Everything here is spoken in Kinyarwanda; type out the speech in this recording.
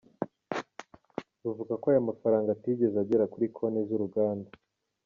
Ruvuga ko ayo mafaranga atigeze agera kuri konti z’uruganda.